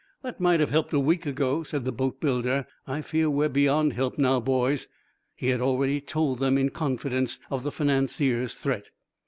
"That might have helped a week ago," said the boatbuilder. "I fear we're beyond help now, boys." He had already told them in confidence of the financier's threat.